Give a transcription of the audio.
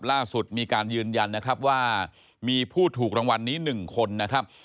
ล่าสุดมีการยืนยันนะครับว่ามีผู้ถูกรางวัลนี้๑คนนะครับ